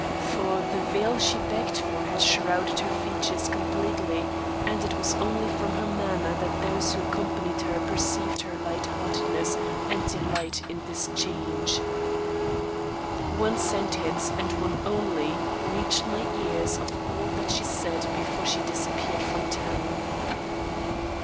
For the veil she begged for had shrouded her features completely, and it was only from her manner that those who accompanied her, perceived her light heartedness and delight in this change. One sentence, and one only, reached my ears of all she said before she disappeared from town.